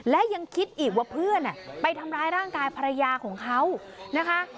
และยังคิดอีกว่าเพื่อนไปทำร้ายร่างกายภรรยาของเขานะคะ